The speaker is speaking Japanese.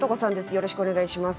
よろしくお願いします。